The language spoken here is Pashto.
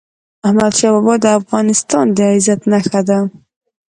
احمدشاه بابا د افغانستان د عزت نښه ده.